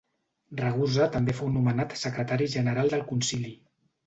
Ragusa també fou nomenat secretari general del Concili.